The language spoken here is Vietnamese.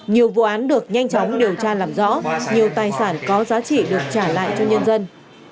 nhiều vụ án được nhanh chóng điều tra làm rõ nhiều tài sản có giá trị được trả lại cho nhân dân